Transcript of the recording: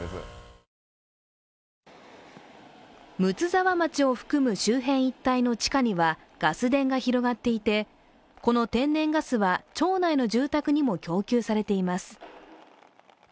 睦沢町を含む周辺一帯の地下には、ガス田が広がっていてこの天然ガスは町内の住宅にも供給されています。